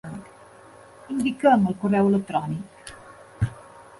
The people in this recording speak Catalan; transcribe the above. Indica'm el correu electrònic.